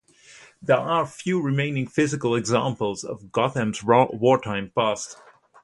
There are few remaining physical examples of Gotham's wartime past.